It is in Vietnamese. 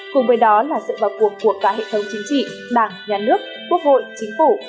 cùng với đó là sự vào cuộc của cả hệ thống chính trị đảng nhà nước quốc hội chính phủ